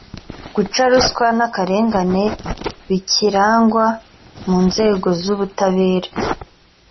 guca ruswa n akarengane bikirangwa mu nzego z ubutabera